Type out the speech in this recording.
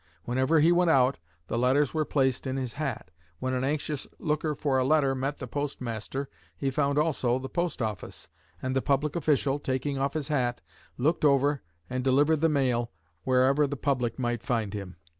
Whenever he went out, the letters were placed in his hat. When an anxious looker for a letter met the postmaster he found also the post office, and the public official, taking off his hat, looked over and delivered the mail wherever the public might find him.